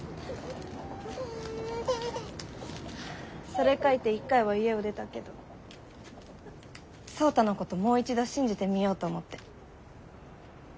それ書いて一回は家を出たけど創太のこともう一度信じてみようと思って。